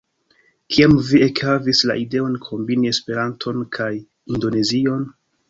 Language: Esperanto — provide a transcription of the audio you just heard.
Kiam vi ekhavis la ideon kombini Esperanton kaj Indonezion?